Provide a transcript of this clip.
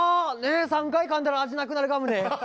３回かんだら味なくなるガムね。